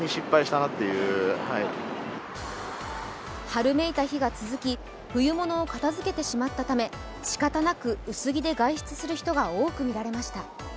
春めいた日が続き、冬物を片付けてしまったためしかたなく薄着で外出する人が多く見られました。